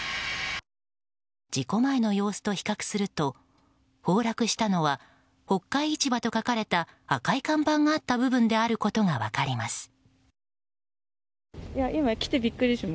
事故前の様子と比較すると崩落したのは「北海市場」と書かれた赤い看板があった部分であることが分かります。